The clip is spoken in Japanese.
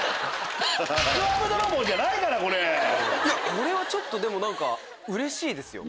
これはでもちょっと何かうれしいですよ。